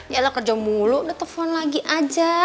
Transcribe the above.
yalah kerja mulu udah telepon lagi aja